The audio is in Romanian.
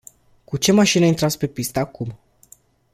Cu ce mașină intrați pe pistă acum.